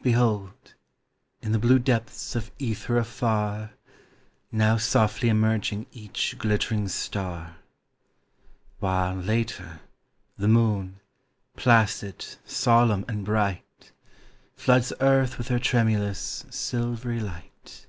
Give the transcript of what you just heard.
Behold, in the blue depths of ether afar, Now softly emerging each glittering star; While, later, the moon, placid, solemn and bright, Floods earth with her tremulous, silvery light.